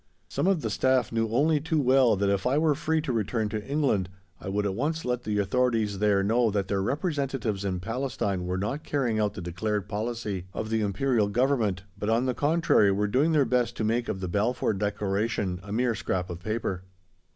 Some of the Staff knew only too well that if I were free to return to England I would at once let the authorities there know that their representatives in Palestine were not carrying out the declared policy of the Imperial Government, but, on the contrary, were doing their best to make of the Balfour Declaration a mere "scrap of paper."